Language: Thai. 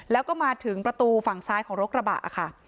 แล้วก็มาถึงประตูฝั่งซ้ายของรถกระบะค่ะ